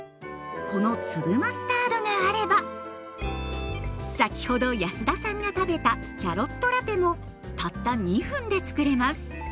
この粒マスタードがあれば先ほど安田さんが食べたキャロットラペもたった２分でつくれます。